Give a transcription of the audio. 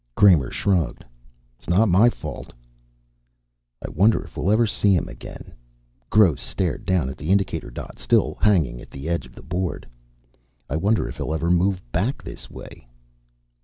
Kramer shrugged. "It's not my fault." "I wonder if we'll ever see him again." Gross stared down at the indicator dot, still hanging at the edge of the board. "I wonder if he'll ever move back this way."